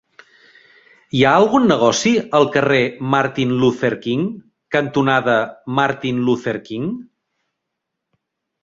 Hi ha algun negoci al carrer Martin Luther King cantonada Martin Luther King?